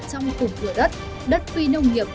trong cục của đất đất phi nông nghiệp